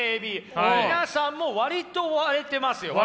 皆さんも割と割れてますよね？